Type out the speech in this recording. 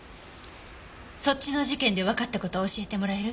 そっちの事件でわかった事を教えてもらえる？